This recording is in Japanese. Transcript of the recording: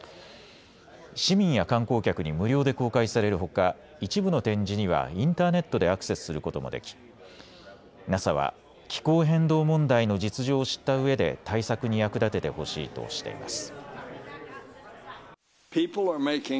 市民や観光客に無料で公開されるほか一部の展示にはインターネットでアクセスすることもできＮＡＳＡは気候変動問題の実情を知ったうえで対策に役立ててほしいとしています。